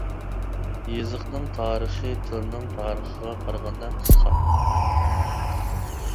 يېزىقنىڭ تارىخى تىلنىڭ تارىخىغا قارىغاندا قىسقا.